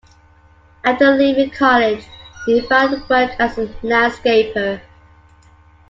After leaving college he found work as a landscaper.